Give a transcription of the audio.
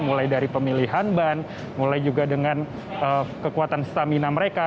mulai dari pemilihan ban mulai juga dengan kekuatan stamina mereka